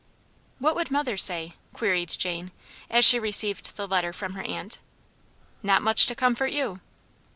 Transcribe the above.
"What would mother say?" queried Jane, as she received the letter from her aunt. "Not much to comfort you."